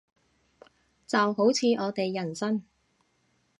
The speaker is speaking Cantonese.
就好似我哋人生